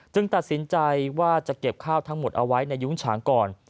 ตัดสินใจว่าจะเก็บข้าวทั้งหมดเอาไว้ในยุ้งฉางก่อน